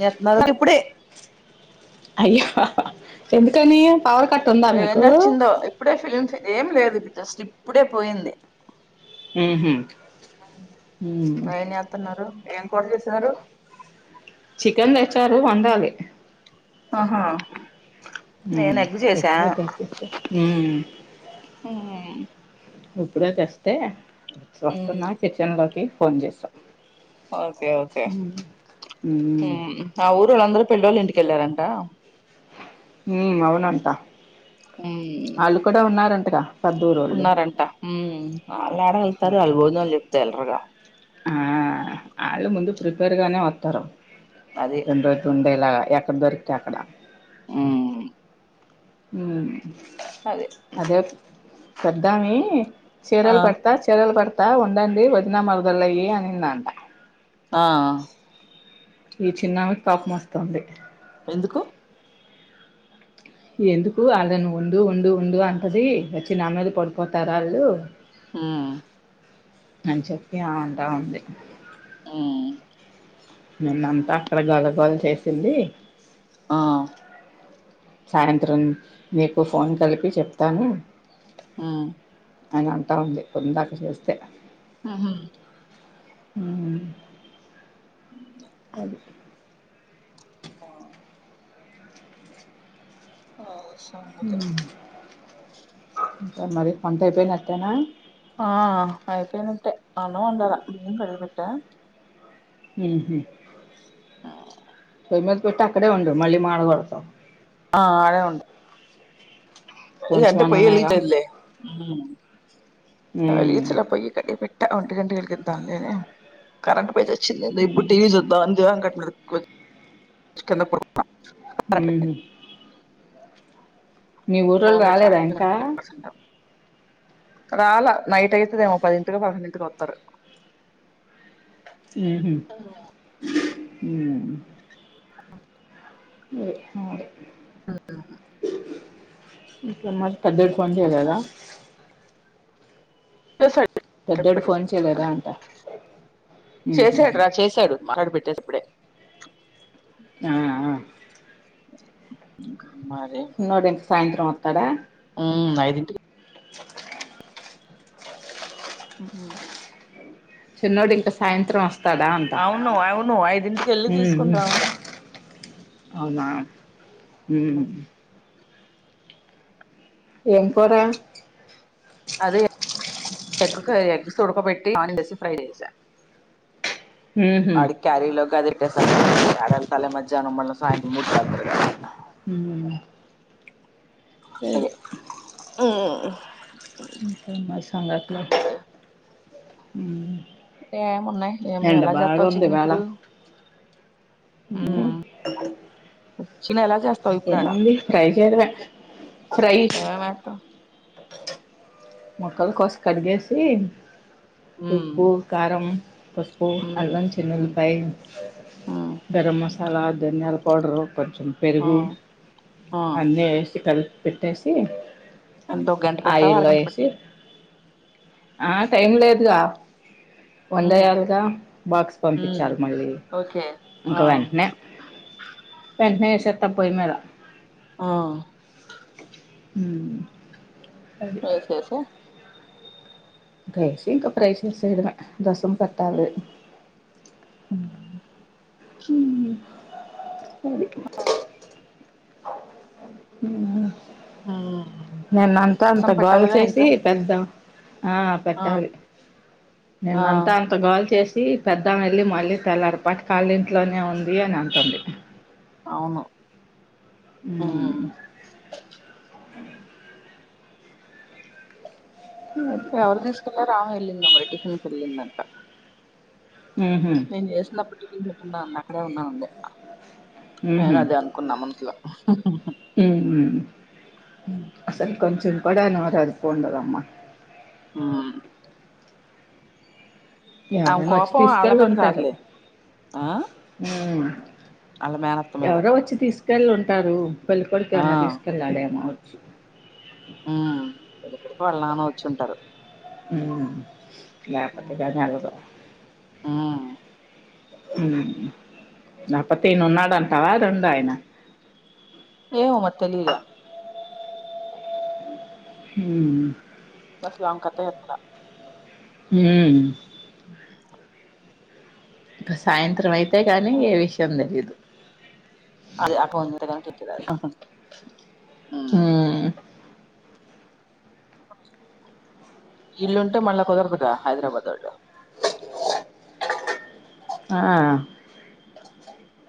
నెత్నల ఇప్పుడే అయ్యా [unintelligible] ఎందుకనియ్య ఏం నచ్చిందో ఇప్పుడే ఫిలిమ్స్ ఏం లేదు ఇప్పు జస్ట్ ఇప్పుడే పోయింది ఉహు ఊ ఏం చేస్తున్నారు ఏం కూర జేసారు చికెన్ తెచ్చారు వండాలి ఆహా ఊమ్ నేను ఎగ్ చేసా ఊమ్ ఉమ్ ఇప్పుడే ఫస్టే సస్తనా కిచెన్ లోకి ఫోన్ చేసా ఓకే ఓకే ఊ ఉమ్. ఆ ఊరుళంద్ర పిల్లోల ఇంటి కెళ్ళారంటా ఊ అవునంటా ఉమ్ ఆళ్ళు కూడా ఉన్నారం ర కద్దుూ రోళ్ళు మ్మ్ అల్లాడ అళ్తారు వాళ్ళు బోజనాలు చెప్ప వెళ్ళరాగా ఆ వాళ్ళు ముందు ప్రిపేర్ గానే వస్తారు అది రండ త ఉండే అలా ఎక్కడ దొరికితే అక్కడ మ్మ్ మ్మ్ అదే పెద్దమీ ఆ చీరలు పడతా చీరలు పడతా కా ఉండండి వదినమరదలయి అనిందాంట ఆ ఈ చిన్నమికి కోపం వస్తుంది. ఎందుకు ఎందుకు ఆళ్ళను ఉండు ఉండు ఉండు అంటది వచ్చి నా మీద పడిపోతారు ఆళ్ళు హ్మ్. అని చెప్పి అంటా ఉంది. హ్మ్. నిన్నంతా అక్కడ గోలగోల చేసింది. ఆ. సాయంత్రం మీకు ఫోన్ కలిపి చెప్తాను. హ్మ్. అన్ని అంటా ఉంది ఇందాక చేస్తే. మ్మ్ మ్మ్ హ్మ్ అదే. హ్మ్. ఆ. అవున. ఉమ్ ఇంకా మరి వంట అయిపోయినట్టేనా. ఆ అయిపోయినట్టే అన్నం వండలా బియ్యం కడిగి పెట్టా. మ్మ్ హ్మ్ పెట్టి అక్కడే ఉండు మళ్ళీ మాడ కొడుతావ్. ఆ ఆడే ఉంటా. కొంచెం అంటే పోయ్యి ఎలిగి అన్నమేగా చలే ఉమ్ వెళ్ళే పొయ్యి కట్టే పెట్టా. ఒంటి గంటకి వెలిగిదంలేఏ కరెంట్ పోయి సచి. చ్చింది ఇప్పుడు ఉమ్ టీవీ చూద్దాం అని దీవాన్ కాట్ కుచ్ కింద పడు. హ్మ్. మీ ఊర్లోళ్ళు ఫోన్ లో రాలేదా చార్జింగ్ ఇంకా. పెట్టుకుంటాం రాలా నైట్ అయితే దేమో పదింటికొ పదకొండింటికి వస్తారు. హుహుమ్ ఆఆ. అవున. హ్మ్. ఆహా. ఇంకా మరి. పెద్దొడు ఫోన్ చేయలేదా. అసల్. పెద్దోడు ఫోన్ చేయలేదా అంట ఉహు చేశాడు రా చేశాడు మాట్లాడి పెట్టేసా ఇప్పుడే. ఆ ఆ మరి. చిన్నోడు ఇంక సాయంత్రం వస్తాడా మ్మ్ ఐదుఇంటికి సే అ చిన్నోడు ఇంకా సాయంత్రం వస్తంది అవును అవును ఐదింటికి వెళ్లి ఉమ్ తీసుకోని ఉమ్ రావాల హు ఏం కూర అది ఎగ్ కర్రీ ఎగ్స్ ఉడకబెట్టి ఆనియన్ ఏసీ ఫ్రేయ్ చేశా ఉహు వాడికి కరేజ్ లోకి అదే సమాలా అడలు తాల మ మధ్యానం మల్ల సాయంత్రం మూడు సార్లు తిరగాల ఉ అదే హు ఇంకా ఏంటీ సంగతులు ఉ అ ఉన్నాయి ఏలో ఎలా చేస్తావు ఉంది చికెన్ ఇవాళ ఇప్పుడు చికెన్ ఎలా చేస్తావు ఇప్పుడు ఏం ఆడ ఉంది ఫ్రై చేయడమే ఫ్రై ఏమేమి ఏత్తావ్ అే మొక్కలు కోసి కడిగేసి ఉమ్ ఉప్పు కరం పసుపు ఉమ్ అల్లం చిన్న ఉల్లిపాయ్ ఉమ్ గరంమసాలా అలా ధన్యాల పౌడరు కొంచెం ఆ పెరుగు ఆ అన్నీ వేసి కలిపి పెట్టేసి ఎంత ఓ గంట పెడుతావా ఆయిల్లో అరగంట పెడుత వేసి ఆ టైం లేదుగా ఉహు వండేయాలగా బాక్స్ ఉమ్ పంపించాలి మళ్ళీ ఓకే ఆ ఇంకా వెంటనే వెంటనే చెత్త పోయి మీద ఆ మ్ సే సే ప్రైస ఇంకా ప్రైసడమ దసం పెట్టాలి ఉమ్ ఉమ్ సరి ఉ నేన్న అంతా అంత రసం గోల పెట్టాలిగా చేసి ఇంకా పెద్దాం ఆ పెట్టాలి నిన్న ఆ అంతా అంత గోల చేసి పెద్ద వెళ్ళి మళ్ళీ తెల్లారు పాటి కాళ్ళ ఇంట్లోనే ఉంది అని అంటుంది. అవును ఉ హ్మ్ అదే ఎవరు తీసుకునారు ఆమె ఎలింద మరి టిఫిన్ కి ఎలిందా ఉహు నేన్ చేస్నా [unintelligible] ఉ ఉంది అక్కడే ఉన్నావుంది నేన్ అదే అనుకున్నా మనసులో మ్ అసలు కొంచెం కొడాను వ అది పోండదమ్మా ఆ ఆమె ఎవరైనా వచ్చి కోపం ఆళ్ళ తీసుకెళ్లి మీద ఉంటారు కాదులే వాళ్ళ మేనత్త మీద తెల్ళు ఉంటారు పళ్లి పడుతే ఆ అన్న తీసుకల్లాడే చె నానే వచ్చుంటారు మ్ నపతేకాలు ఉ హ్మ్ దప్పతేను ఉన్నాడ అంటవా రెండో ఆయన ఏమో మరి తెలియలే ఉ బస్ లోంగ్ కతా ఎట్లా ఉ ఇక సాయంత్రం అయితే అంతేగాని ఏ విషయం తెలీయదు అదే [unintelligible] ఉ ఈళ్ళుంటే మళ్ళా కుదరదుగా హైదరాబాద్ వాళ్ళు ఆ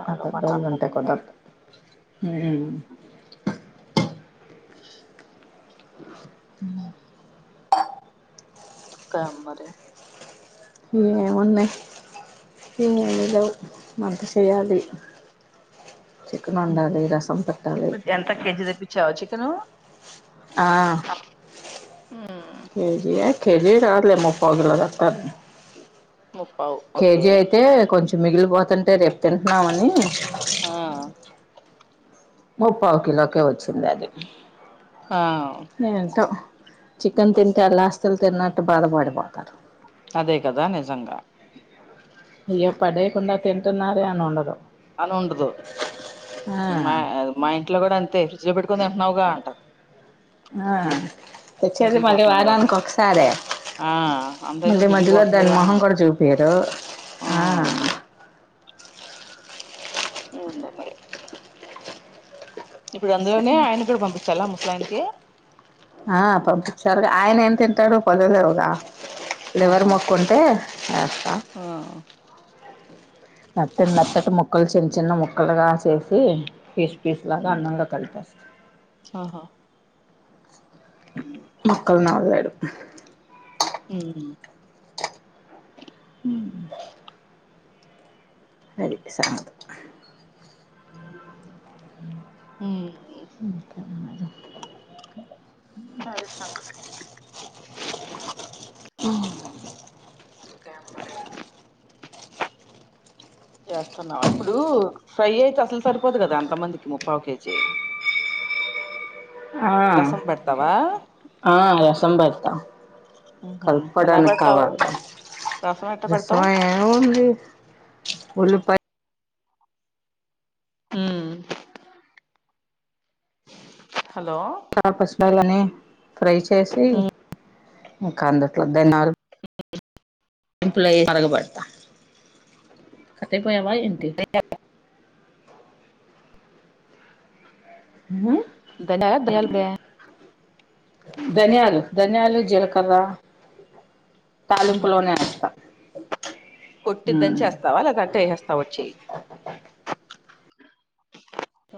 వాళ్ళు అదద్ పట్టాన్ కదుండ్రు దళ్గుంటాయి [unintelligible] మ్ ఉ క మరి ఏముంది ఏమీ లేవు మంత చేయాలి చికన్ హ్మ్ వండాలి రసం పెట్టాలి కను ఆ మ్మ్ ఏం చేయాలి కెజీ చాలే ముప్పగలద చాలు ముప్పావు ఓకే కేజీ అయితే కొంచెం మిగిలిపోతుంటే రేపు తింటున్నామని ఆ ముప్పవు కిలోకే వచ్చింది అది ఆ ఏంటో చికెన్ తింటే అలా ఆస్తులు తిన్నట్టు బాధపడిపోతారు అదే కదా నిజంగా అయ్యో పడే కుండా తింటన్నారే అని ఉండదు అను ఉండదు మా ఆ మ ఇంట్లో కూడా అంతే ఫ్రిడ్జ్ లో పెట్టుకుని తింటున్నావుగా అంటారు ఆ తెచ్చేసి మళ్ళీ మిగిలిపోతుంది కదా వారానికి ఒకసారే ఆ అంతెందుకు మళ్ళీ మధ్యలో దాని మిగిలిపోతుందిగా మొహం కూడా అంటారు చూపియరు ఆ ఎందో మరి ఇప్పుడు అందులోనే ఆయన కూడా పంపించాలా మ లానికి ఆ పంపించారు ఆయన ఏం తింటాడు పలదరవుగా లివర్ ఆహా ముక్కుంటే ఏస్తా ఆ నత్త నత్తటి ముక్కలు చిన్న చిన్న ముక్కలుగా చేసి ఇస్త పీస్లాగా అన్నంగా కలితస్తా ఆహా మక్కల్ నా మ్ మ్ అది సంగదు హ అ చేస్తున్నావు ఇప్పుడు ఫ్రై అయితే అసలు సరిపోదు కదా అంతమందికి ముప్పవు కేజీ ఆ రసం పెడతావా ఆ రసం పెడతా ఉహు, ఎలా కలపడానికి పెడతావు కావాల రసం ఎట్ట రసం పెడతావ్ ఏముంది ఒళ్ళుపాయ హ హలోలో బైలనే ఫ్రై చేసి కందుట్దలు ఎంప్లయ కరగబడతా కథయిపోయావా ఏంటి ధనిలడే ధనియాలు ధన్యాలు జీలకర తాలింపులోనే వస్త కొట్టిద్దని చేస్తావా అలా కట్ట వసేస్తావు వచ్చి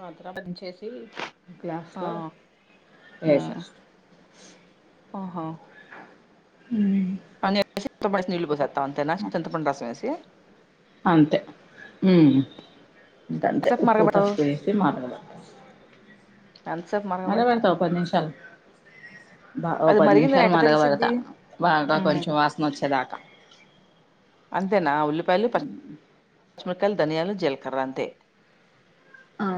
అంత లోపల దించేసి ఆ గ్లాస్లో ఉమ్, వేసేస్తం ఆహా హ్మ్ [inaudible] చింతపండు రసం వేసి అంతే హ్మ్ ఇంకంతే ఎంతసేపు ఉప్పు మరగబెడతావు పసుపు వేసి మరగా బెటాచ్ ఎంతసేపు మరగా మరగబెడతావు పెడతా పది నిమిషాలు బాగ అది పది మరిగిందని నిమిషాలు ఎట్ట మరగబడతా తెలిసిద్ది బాగా ఉమ్, కొంచెం వాసన వచ్చేదాకా హ్మ్ పచ్చి మిరపకాయలు ధనియాలు జల్కర్రాంతే ఆ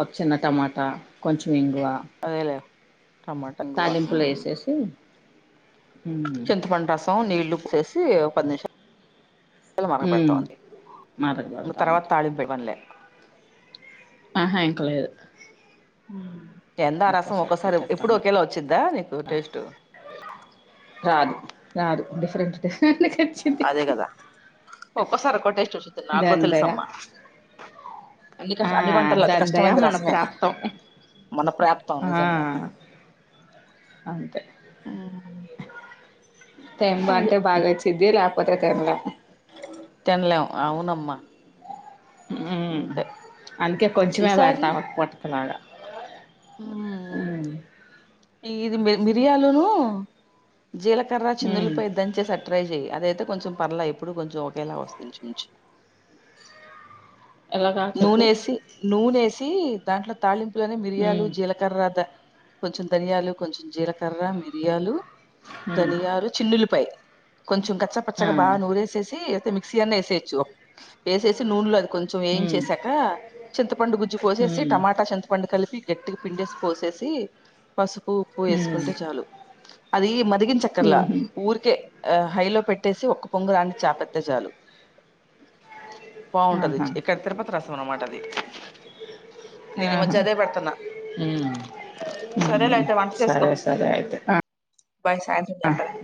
ఒక చిన్న టమాటా కొంచెం ఇంగు అదేలేే తాలింపులో యేసేసి చింత పండ రసం నీల్లు పొసేసి ఇ ఓ పది నిమిష మరగ ఉమ్, పెడుతంది ఇంగ మరగబెడతా అంతే తర్వాత తాళింపు ఏ్యమాన్లే ఆహా ఇంకలేదు ఉ ఏందా రసం ఒకసారి ఎప్పుడు పెట్టేస్తాను ఒకేళ వచ్చింది రాదు రాదు రేంచు తే అదే కదా ఒక్కోసార్ ఒకో టెస్ట్ వస్తుందని నాకు కూడా దాని దయ తెల్సమ్మ అన్ని ఆ, కష్ట అన్ని వంటల్లో అతి దాని దయ కష్టమైంది మన రసమే ప్రాప్తం మన ప్రాప్తం ఆ, నిజంగా అంతే టంబా అదే అంటే బాగా వచ్చిది లేకపో ఉత్తర కేేరళ తినలం అవునమ్మా ఉ అంతే అందుకే కొంచమే ఈసారి పెడతామ పట్టకలాగా ఉ ఈ ఇది మిర్యాలును జీలకర్ర ఉమ్. చిన్నుల్లిపాయ దంచేస అ ట్రై చెయ అద అయితే కొంచెం పర్లే ఇప్పుడు కొంచెం ఒకేలా వస్తుంచ ఎలాగా చెప్పు నూనేసి నూనేసి దాంట్లో తాలింపు లోనే మిరియాలు ఉమ్, జీలకర్రత కొత్తులు ధనియాలు కొంచెం జీలకర్ర మిరియాలు ఉమ్, ధనియాలు చిల్లుల్లిపాయ్ కొంచెం కచ్చ ఆ, పచ్చగా బాగా నూరేసేసి మిక్సీ అయినా యేసేయొచ్చు యేసేసి నూనె కొంచెం ఏం ఉమ్, చేసాక చింతపండు గుజ్జు పోసేసి ఉమ్, టమాటా చింతపండు కలిపి గట్టిగ పిండేసి పోసేసి పసుపు ఉప్పు ఉమ్, యేసుకుంటే చాలు అది మాది ఏంచక్కర్లా ఉమ్, ఊర్కే ఆ హైలో పెట్టేసి ఒక్క పొంగు రానిచ్చి ఆపేత్తే చాలు బావుంటది ఆహా ఇక్కడ తిరుపతి రసం అనమాట అది నేను ఈ ఆహా మధ్య అదే పెడతన్నా ఉమ్. సరేలే ఉమ్ అయితే వంట చేసుకో సరే సరే అయితే బై సాయంత్రం ఆ చేత్తాలే